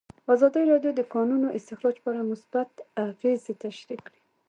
ازادي راډیو د د کانونو استخراج په اړه مثبت اغېزې تشریح کړي.